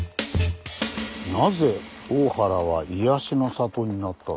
「なぜ大原は“癒やしの里”になった？」